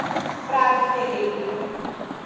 Prado Ferreira